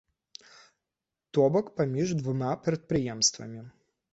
То бок паміж двума прадпрыемствамі.